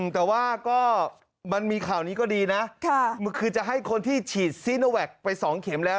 แต่ว่าก็มันมีข่าวนี้ก็ดีนะคือจะให้คนที่ฉีดซีโนแวคไป๒เข็มแล้ว